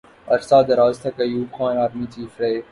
عرصہ دراز تک ایوب خان آرمی چیف رہے۔